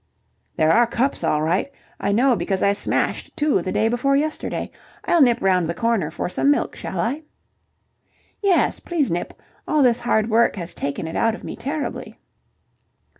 "There are cups all right. I know, because I smashed two the day before yesterday. I'll nip round the corner for some milk, shall I?" "Yes, please nip. All this hard work has taken it out of me terribly."